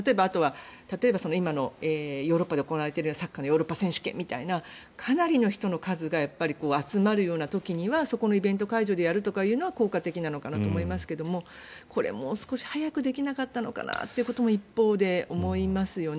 例えば今のヨーロッパで行われているサッカーのヨーロッパ選手権みたいなかなりの人の数が集まるような時にはそこのイベント会場でやるのは効果的なのかなとは思いますがこれもう少し早くできなかったのかなということも一方で思いますよね。